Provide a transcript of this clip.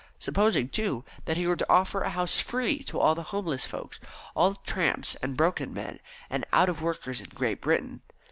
Supposing, too, that he were to offer a house free to all the homeless folk, all the tramps, and broken men, and out of workers in Great Britain.